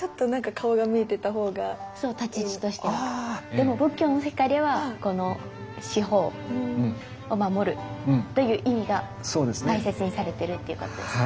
でも仏教の世界では四方を守るという意味が大切にされてるっていうことですか？